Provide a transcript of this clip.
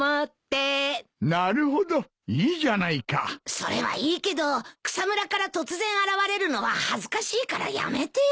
それはいいけど草むらから突然現れるのは恥ずかしいからやめてよ。